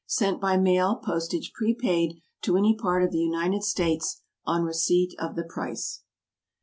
_Sent by mail, postage prepaid, to any part of the United States, on receipt of the price.